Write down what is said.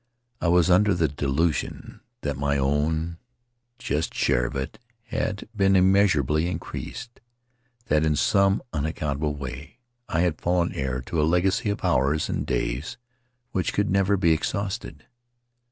I was under the delusion that my own just share of it had been immeasurably increased, that in some unaccountable way I had fallen heir to a legacy of hours and days which could never be ex hausted.